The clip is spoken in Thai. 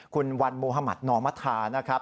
คุณวันมมภหนอมทนะครับ